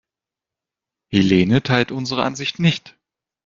Helene teilt unsere Ansicht nicht.